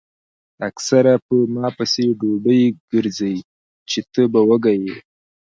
اکثر پۀ ما پسې ډوډۍ ګرځئ چې تۀ به وږے ئې ـ